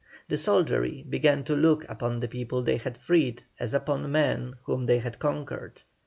The soldiery began to look upon the people they had freed as upon men whom they had conquered.